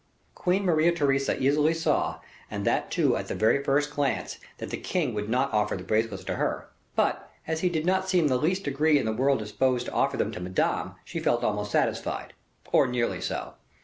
Queen Maria Theresa easily saw, and that, too at the very first glance, that the king would not offer the bracelets to her; but, as he did not seem the least degree in the world disposed to offer them to Madame, she felt almost satisfied, or nearly so.